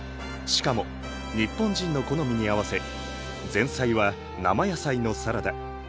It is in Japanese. しかも日本人の好みに合わせ前菜は生野菜のサラダ。